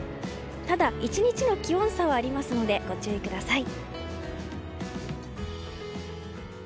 ただ１日の気温差はありますのでご注意ください。